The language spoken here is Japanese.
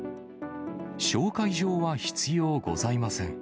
紹介状は必要ございません。